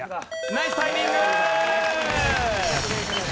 ナイスタイミング。